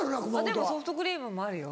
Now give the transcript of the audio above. でもソフトクリームもあるよ。